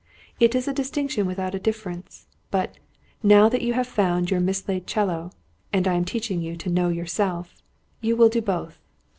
It is a distinction without a difference. But, now that you have found your mislaid 'cello, and I am teaching you to KNOW YOURSELF, you will do both."